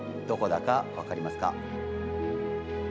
どこだかわかりますか？